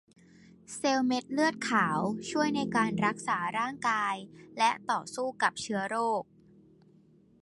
เซลล์เม็ดเลือดขาวช่วยในการรักษาร่างกายและต่อสู้กับเชื้อโรค